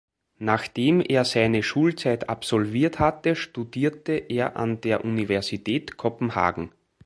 Nachdem er seine Schulzeit absolviert hatte, studierte er an der Universität Kopenhagen.